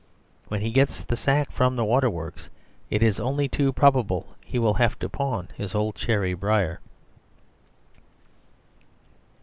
When he gets the sack from the water works, it is only too probable that he will have to pawn his old cherry briar.